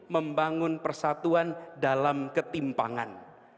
membangun persatuan dalam ketimpangan